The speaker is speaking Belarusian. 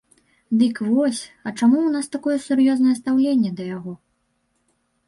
Дык вось, а чаму ў нас такое сур'ёзнае стаўленне да яго?